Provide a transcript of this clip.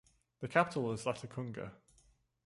The capital is Latacunga.